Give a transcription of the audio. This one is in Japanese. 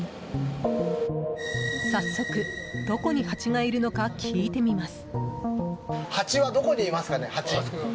早速、どこにハチがいるのか聞いてみます。